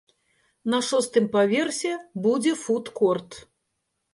На шостым паверсе будзе фуд-корт.